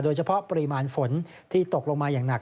โดยเฉพาะปริมาณฝนที่ตกลงมาอย่างหนัก